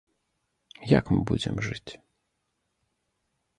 Як мы будзем жыць.